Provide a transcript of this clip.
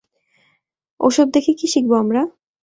ওসব দেখে কী শিখবো আমরা?